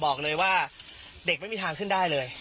บอกเลยว่าเด็กไม่มีทางขึ้นได้เลย